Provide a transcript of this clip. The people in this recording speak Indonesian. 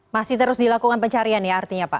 masih terus dilakukan pencarian ya artinya pak